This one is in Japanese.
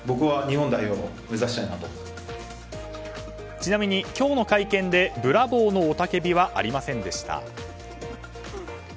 ちなみに今日の会見でブラボー！の雄たけびはありませんでした。